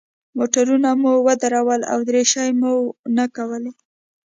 موټرونه مو ودرول او دریشۍ مو نه کولې.